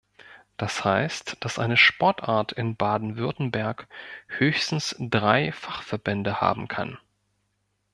Das heißt, dass eine Sportart in Baden-Württemberg höchstens drei Fachverbände haben kann.